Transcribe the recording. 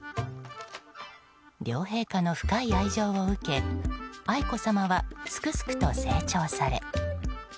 両陛下の深い愛情を受け愛子さまはすくすくと成長され。